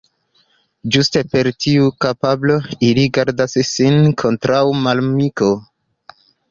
Ĝuste per tiu kapablo ili gardas sin kontraŭ malamiko.